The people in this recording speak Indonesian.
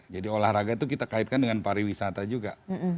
jadi olahraga itu kita kaitkan dengan pariwisata juga